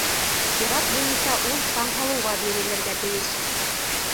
Сират буйынса ул Таңһылыуға бирелергә тейеш.